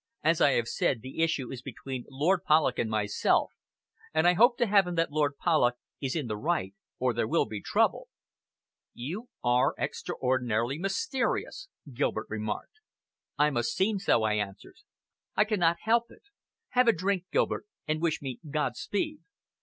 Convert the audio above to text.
"As I have said, the issue is between Lord Polloch and myself, and I hope to Heaven that Lord Polloch is in the right, or there will be trouble." "You are extraordinarily mysterious," Gilbert remarked. "I must seem so," I answered, "I cannot help it. Have a drink, Gilbert, and wish me God speed!"